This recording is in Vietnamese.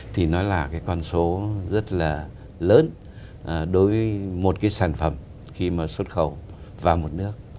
thì nó là cái con số rất là lớn đối với một cái sản phẩm khi mà xuất khẩu vào một nước